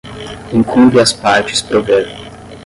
incumbe às partes prover